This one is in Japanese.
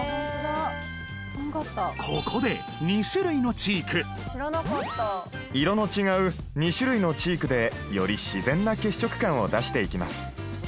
ここで色の違う２種類のチークでより自然な血色感を出していきます